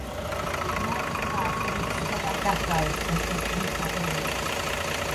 Merch fach yn eistedd ar gadair yn edrych ar lyfr.